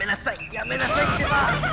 やめなさいってば！